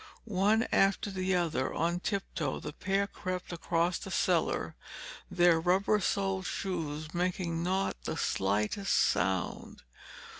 One after the other, on tiptoe, the pair crept across the cellar, their rubber soled shoes making not the slightest sound.